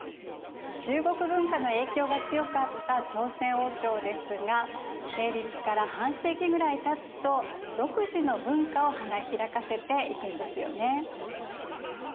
中国文化の影響が強かった朝鮮王朝ですが成立から半世紀ぐらいたつと独自の文化を花開かせていくんですよね。